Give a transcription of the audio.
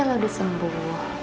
nanti aku disembuh